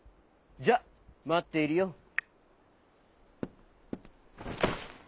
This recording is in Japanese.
じゃあまっているよ」。